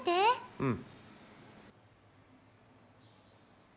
うん。